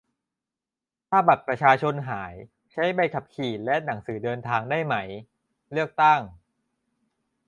ถ้าบัตรประชาชนหาย ใช้ใบขับขี่และหนังสือเดินทางได้ไหม ? เลือกตั้ง